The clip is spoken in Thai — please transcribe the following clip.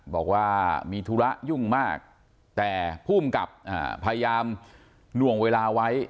บอกว่ามีธุระยุ่งมากแต่ภูมิกับพยายามหน่วงเวลาไว้